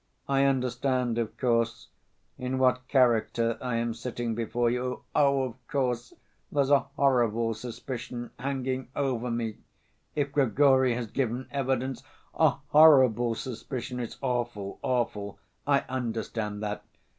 I understand, of course, in what character I am sitting before you. Oh, of course, there's a horrible suspicion ... hanging over me ... if Grigory has given evidence.... A horrible suspicion! It's awful, awful, I understand that!